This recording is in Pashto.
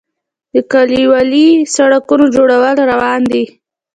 د کلیوالي سړکونو جوړول روان دي